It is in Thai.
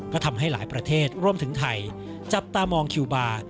ก็ทำให้หลายประเทศรวมถึงไทยจับตามองคิวบาร์